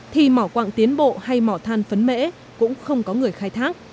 thì mỏ quạng tiến bộ hay mỏ than phấn mễ cũng không có người khai thác